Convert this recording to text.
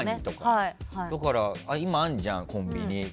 だから、今あるじゃんコンビニ。